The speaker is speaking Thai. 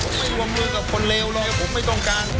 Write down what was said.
ผมไม่รวมมือกับคนเลวเลยผมไม่ต้องการ